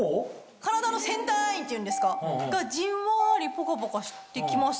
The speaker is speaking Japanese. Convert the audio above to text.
体のセンターラインっていうんですか？がじんわりポカポカして来ました。